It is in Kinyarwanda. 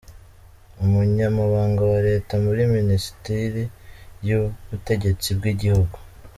Umunyamabanga wa Leta muri Minisiteri y’Ubutegetsi bw’igihugu,